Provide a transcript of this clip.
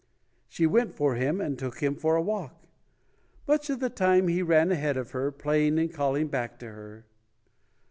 She went for him and took him for a walk. Much of the time, he ran ahead of her, playing and calling back to her.